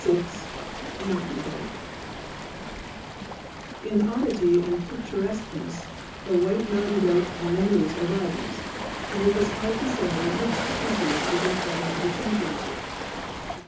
Mountain Goat In oddity and picturesqueness, the white mountain goat and the moose are rivals; and it is hard to say which species is entitled to the championship.